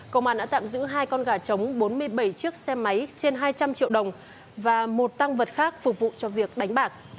công an đã tạm giữ hai con gà trống bốn mươi bảy chiếc xe máy trên hai trăm linh triệu đồng và một tăng vật khác phục vụ cho việc đánh bạc